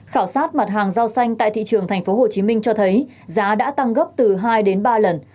khảo sát mặt hàng rau xanh tại thị trường tp hcm cho thấy giá đã tăng gấp từ hai đến ba lần